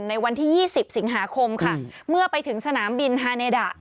ในวันที่๒๐สิงหาคมค่ะเมื่อไปถึงสนามบินฮาเนดะ